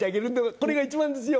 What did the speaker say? これが一番ですよ。